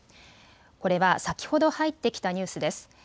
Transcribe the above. これは先ほど入ってきたニュースです。